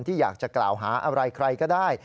อยากจะกล่าวหาอะไรใครก็ได้